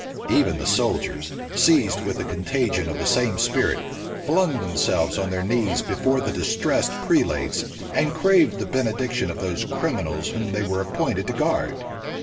Even the soldiers, seized with the contagion of the same spirit, flung themselves on their knees before the distressed prelates and craved the benediction of those criminals whom they were appointed to guard.